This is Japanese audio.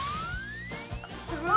うわ！